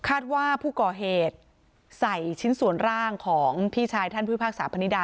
คาดว่าผู้ก่อเหตุใส่ชิ้นส่วนร่างของพี่ชายท่านผู้พิพากษาพนิดา